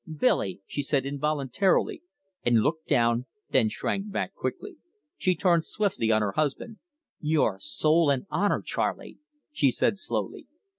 "Billy!" she said involuntarily, and looked down, then shrank back quickly. She turned swiftly on her husband. "Your soul and honour, Charley!" she said slowly.